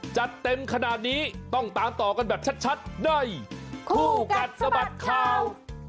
จัดเต็มขนาดนี้ต้องตามต่อกันแบบชัดในคู่กัดสะบัดข่าว